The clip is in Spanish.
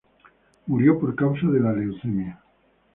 Murió por causa de la leucemia.